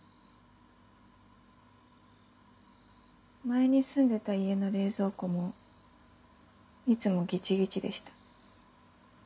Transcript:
前に住んでた家の冷蔵庫もいつもギチギチでした。